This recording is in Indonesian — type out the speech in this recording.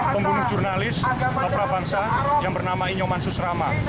pembunuh jurnalis prabangsa yang bernama inyoman susrama